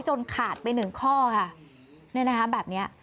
ขาดไปหนึ่งข้อค่ะเนี่ยนะคะแบบเนี้ย